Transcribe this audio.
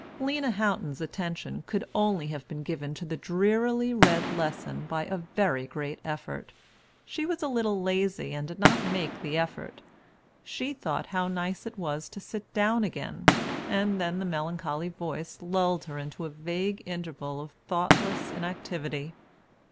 Lena Houghton's attention could only have been given to the drearily read lesson by a very great effort; she was a little lazy and did not make the effort, she thought how nice it was to sit down again, and then the melancholy voice lulled her into a vague interval of thoughtless inactivity.